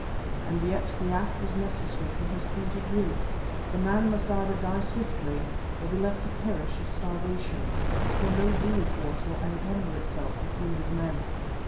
And yet the act was necessary from his point of view. The man must either die swiftly, or be left to perish of starvation, for no Zulu force will encumber itself with wounded men.